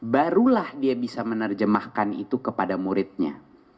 barulah dia bisa menerjemahkan itu kepada muridnya